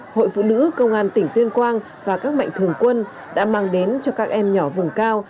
hội phụ nữ công an tỉnh tuyên quang và các mạnh thường quân đã mang đến cho các em nhỏ vùng cao